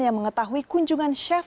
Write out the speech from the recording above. yang mengetahui kunjungan chef